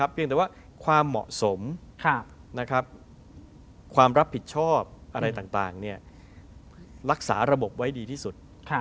เพียงแต่ว่าความเหมาะสมความรับผิดชอบอะไรต่างรักษาระบบไว้ดีที่สุด